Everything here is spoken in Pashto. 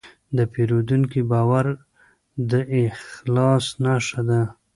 د پیرودونکي باور د اخلاص نښه ده.